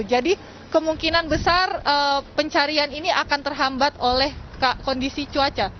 jadi kemungkinan besar pencarian ini akan terhambat oleh kondisi cuaca